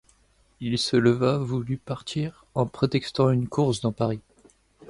Il se leva, voulut partir, en prétextant une course dans Paris.